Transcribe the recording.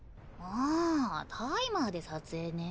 あタイマーで撮影ね。